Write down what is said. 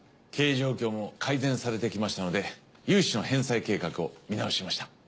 経営状況も改善されてきましたので融資の返済計画を見直しました。